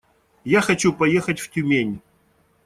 Я хочу поехать в Тюмень.